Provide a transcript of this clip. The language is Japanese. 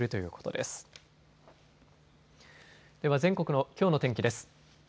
では全国のきょうの天気です。